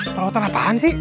perawatan apaan sih